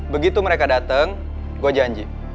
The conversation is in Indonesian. begitu mereka datang gue janji